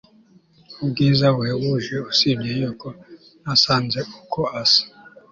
ubwiza buhebuje usibye yuko nasanze uko asa